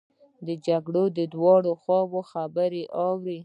جرګه د دواړو خواوو خبرې اوري.